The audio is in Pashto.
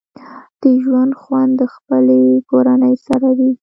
د ژوند خوند د خپلې کورنۍ سره وي